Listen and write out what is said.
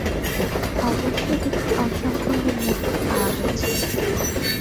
অবশ্য একটি অসম্পূর্ণ মূর্তি পাওয়া গেছে।